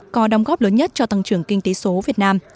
có đóng góp lớn nhất cho tăng trưởng kinh tế số việt nam